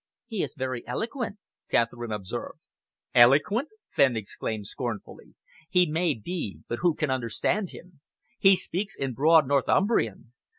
"He is very eloquent," Catherine observed. "Eloquent!" Fenn exclaimed scornfully. "He may be, but who can understand him? He speaks in broad Northumbrian.